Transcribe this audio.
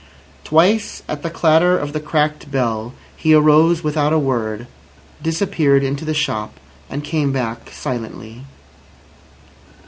Twice at the clatter of the cracked bell he arose without a word, disappeared into the shop, and came back silently.